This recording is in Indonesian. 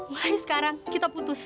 mulai sekarang kita putus